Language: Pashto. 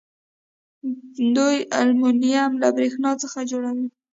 دوی المونیم له بریښنا څخه جوړوي.